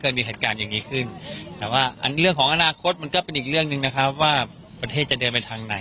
เหตุการณ์อย่างนี้ขึ้นแต่ว่าเรื่องของอนาคตมันก็เป็นอีกเรื่องหนึ่งนะครับว่าประเทศจะเดินไปทางไหน